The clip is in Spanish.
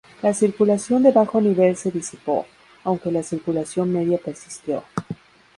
La circulación de bajo nivel se disipó, aunque la circulación media persistió.